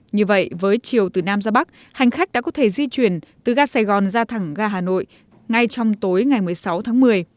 như vậy với chiều từ nam ra bắc hành khách đã có thể di chuyển từ ga sài gòn ra thẳng ga hà nội ngay trong tối ngày một mươi sáu tháng một mươi